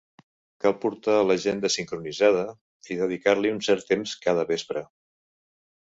Cal portar l'agenda sincronitzada i dedicar-li un cert temps cada vespre.